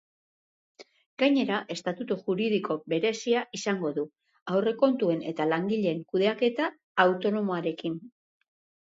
Gainera, estatutu juridiko berezia izango du, aurrekontuen eta langileen kudeaketa autonomoarekin.